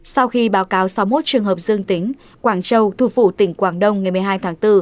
sau khi báo cáo sáu mươi một trường hợp dương tính quảng châu thu vụ tỉnh quảng đông ngày một mươi hai tháng bốn